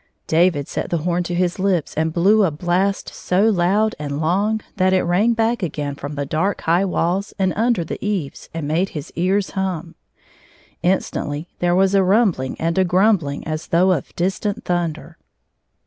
David set the horn to his lips and blew a blast so loud and long that it rang back again from the dark high walls and under the eaves and made his ears hum. Instantly there was a rumbling and a grumbling as though of distant thunder.